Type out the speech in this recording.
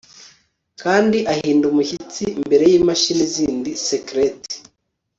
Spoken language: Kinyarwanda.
kandi ahinda umushyitsi mbere yimashini zindi skeleti